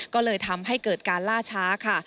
ก็เลยทำให้เกิดการล่าช้าค่ะ